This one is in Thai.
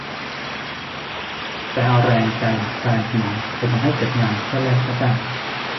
แต่เอาแรง ใจ กาย สมอง ไปทำให้เกิดงาน เพื่อแลกค่าจ้าง